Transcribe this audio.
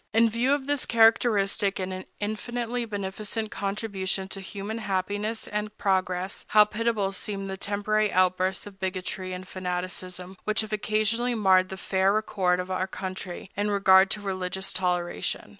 In view of this characteristic and infinitely beneficent contribution to human happiness and progress, how pitiable seem the temporary outbursts of bigotry and fanaticism which have occasionally marred the fair record of our country in regard to religious toleration!